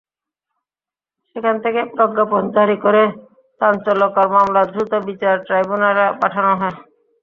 সেখান থেকে প্রজ্ঞাপন জারি করে চাঞ্চল্যকর মামলা দ্রুত বিচার ট্রাইব্যুনালে পাঠানো হয়।